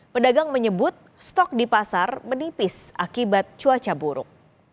pedagang menyebut stok di pasar menipis akibat cuaca buruk